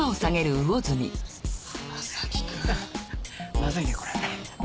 まずいねこれ。